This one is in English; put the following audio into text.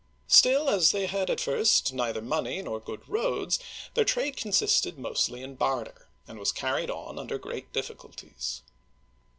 Still, as they had at first neither money nor good roads, their trade consisted mostly in barter, and was carried on under great difficulties.